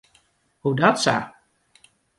Hoedatsa?